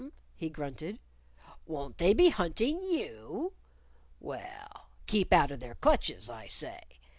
he grunted. "Won't they be hunting you? Well, keep out of their clutches, I say.